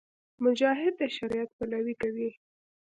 مجاهد د شریعت پلوۍ کوي.